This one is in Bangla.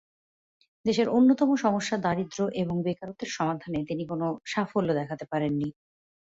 দেশের অন্যতম সমস্যা দারিদ্র্য এবং বেকারত্বের সমাধানে তিনি কোনো সাফল্য দেখাতে পারেননি।